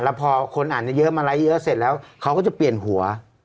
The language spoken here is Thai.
แล้วพอคนอ่านเยอะมาไลค์เยอะเสร็จแล้วเขาก็จะเปลี่ยนหัว